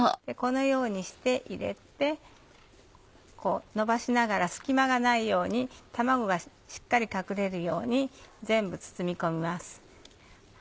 このようにして入れてのばしながら隙間がないように卵がしっかり隠れるように全部包み込みます。